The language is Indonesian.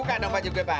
bu kanok pacu beban